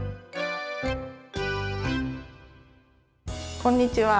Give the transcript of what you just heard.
こんにちは。